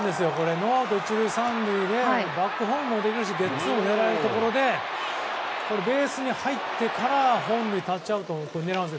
ノーアウト１塁３塁でバックホームもできるしゲッツーも狙えるところでベースに入ってから本塁タッチアウトを狙うんです。